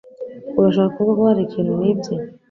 Urashaka kuvuga ko hari ikintu nibye?